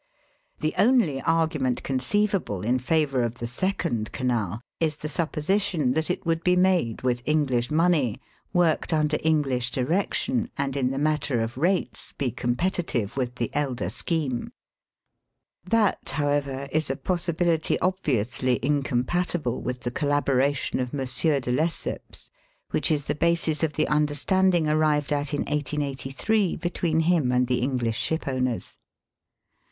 The only argument conceivable in favour of the second canal is the supj)Osition that it would be made with EngUsh money, worked under English direction, and in the matter of rates be competitive with the elder scheme. That, however, is a possibility obviously incom patible with the collaboration of M. de Lesseps, which is the basis of the imderstand ing arrived at in 1883 between him and the Enghsh shipowners.